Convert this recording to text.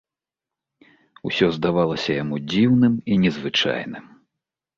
Усё здавалася яму дзіўным і незвычайным.